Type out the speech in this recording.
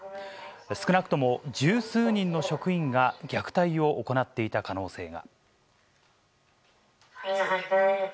少なくとも十数人の職員が虐待を行っていた可能性が。